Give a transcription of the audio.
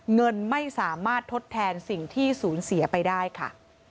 เงินไม่สามารถทดแทนสิ่งที่สูญเสียไปได้ค่ะ